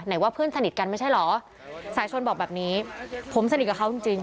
ว่าเพื่อนสนิทกันไม่ใช่เหรอสายชนบอกแบบนี้ผมสนิทกับเขาจริงจริง